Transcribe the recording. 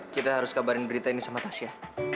kita harus kabarin berita ini sama tasya